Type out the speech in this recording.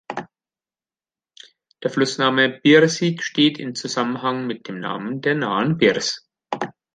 Der Flussname Birsig steht in Zusammenhang mit dem Namen der nahen Birs.